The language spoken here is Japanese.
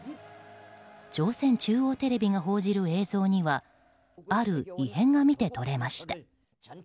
朝鮮中央テレビが報じる映像にはある異変が見て取れました。